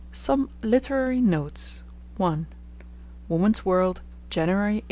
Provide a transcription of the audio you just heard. SOME LITERARY NOTES I (Woman's World, January 1889.)